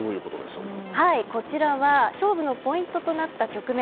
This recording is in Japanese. こちらは勝負のポイントとなった局面。